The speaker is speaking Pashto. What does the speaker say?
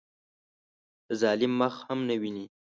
د ظالم مخ هم نه ویني.